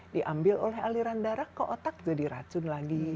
diambil oleh aliran darah ke otak jadi racun lagi